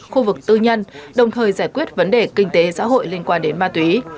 khu vực tư nhân đồng thời giải quyết vấn đề kinh tế xã hội liên quan đến ma túy